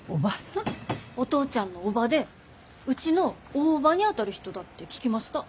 お父ちゃんの叔母でうちの大叔母にあたる人だって聞きました。